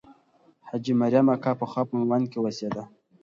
حاجي مریم اکا پخوا په میوند کې اوسېده.